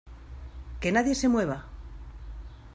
¡ Que nadie se mueva!